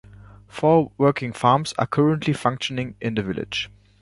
Four working farms are currently functioning in the village.